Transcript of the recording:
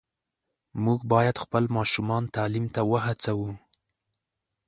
موږ باید خپل ماشومان تعلیم ته وهڅوو.